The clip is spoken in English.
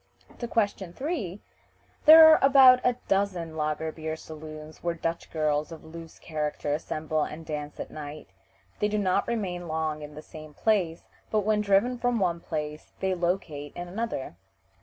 To question 3: "There are about a dozen lager beer saloons where Dutch girls of loose character assemble and dance at night. They do not remain long in the same place, but when driven from one place they locate in another."